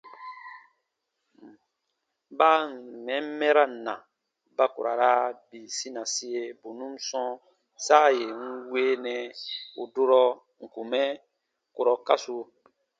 Baa ǹ n mɛn mɛran na, ba ku ra raa bii sinasie bù nùn sɔ̃ɔ saa yè n weenɛ ù durɔ n kùn mɛ kurɔ kasu.